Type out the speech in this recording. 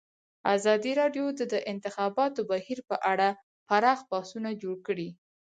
ازادي راډیو د د انتخاباتو بهیر په اړه پراخ بحثونه جوړ کړي.